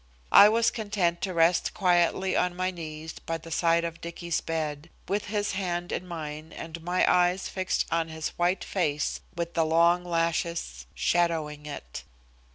I was content to rest quietly on my knees by the side of Dicky's bed, with his hand in mine and my eyes fixed on his white face with the long lashes shadowing it.